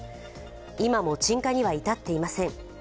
今も鎮火には至っていません。